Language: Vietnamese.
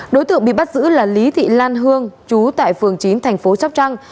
đối tượng bị bắt giữ là lý thị lan hương chú tại phường chín thành phố sóc trăng